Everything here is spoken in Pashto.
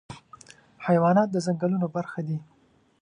حیوانات د ځنګلونو برخه دي.